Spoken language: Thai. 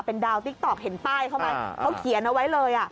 เป็นดาวติ๊กต๊อกเห็นป้ายเขาไหมเขาเขียนเอาไว้เลย